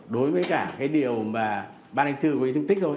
đối với cả cái điều mà ban hành thư của tương tích thôi